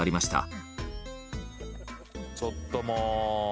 徳永：ちょっと、もう！